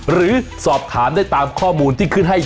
หรือสอบถามได้ตามข้อมูลที่ขึ้นให้